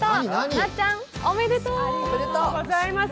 なっちゃん、おめでとう！ありがとうございます。